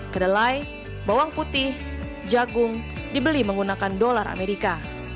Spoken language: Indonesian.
kedelai bawang putih jagung dibeli menggunakan dolar amerika